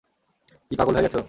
কি পাগল হয়ে গেছো?